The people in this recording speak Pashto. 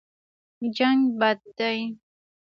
جنګ بد دی.